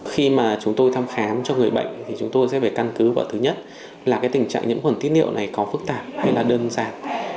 khi mà chúng tôi thăm khám cho người bệnh thì chúng tôi sẽ phải căn cứ vào thứ nhất là cái tình trạng nhiễm khuẩn tiết niệu này có phức tạp hay là đơn giản